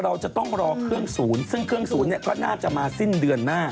เราจะต้องรอเครื่องศูนย์ซึ่งเครื่องศูนย์เนี่ยก็น่าจะมาสิ้นเดือนหน้า